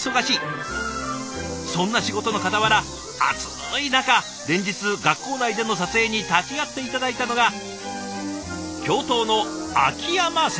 そんな仕事のかたわら暑い中連日学校内での撮影に立ち会って頂いたのが教頭の秋山先生。